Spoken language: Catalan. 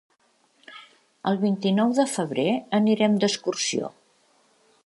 El vint-i-nou de febrer irem d'excursió.